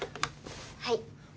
はい。